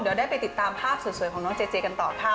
ทุกคนได้ติดตามภาพสวยของน้องเจ๊กันต่อค่ะ